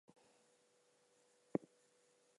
The law and business colleges are in the downtown campus.